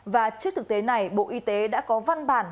và trước thực tế này bộ y tế đã có văn bản